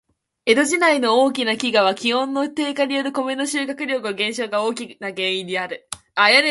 江戸時代の大きな飢饉は、気温低下によるコメの収穫量減少が大きな原因である。